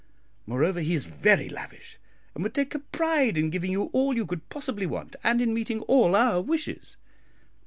Moreover, he is very lavish, and would take a pride in giving you all you could possibly want, and in meeting all our wishes.